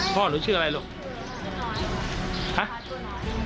พ่อหนูชื่ออะไรล่ะลูก